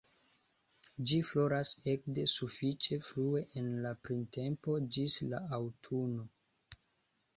Ĝi floras ekde sufiĉe frue en la printempo ĝis la aŭtuno.